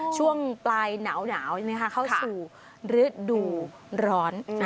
ช่วงปลายหนาวเข้าสู่ฤดูร้อน